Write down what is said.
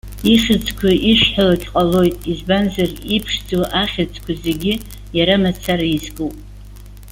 Ихьӡқәа ишәҳәалак ҟалоит, избанзар иԥшӡоу ахьӡқәа зегьы иара мацара изкуп.